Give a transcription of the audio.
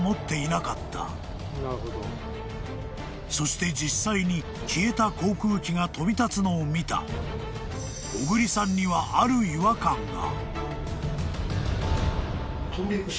［そして実際に消えた航空機が飛び立つのを見た小栗さんには］毎日私たちが。